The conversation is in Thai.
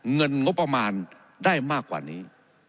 เงินงบประมาณได้มากกว่านี้